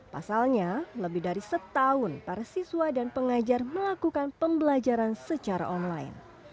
pasalnya lebih dari setahun para siswa dan pengajar melakukan pembelajaran secara online